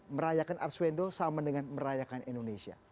merayakan arswendo sama dengan merayakan indonesia